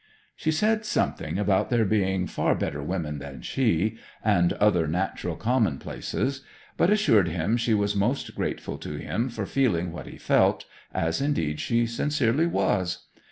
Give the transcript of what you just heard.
She said something about there being far better women than she, and other natural commonplaces; but assured him she was most grateful to him for feeling what he felt, as indeed she sincerely was.